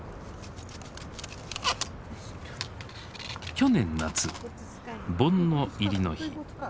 去年夏盆の入りの日。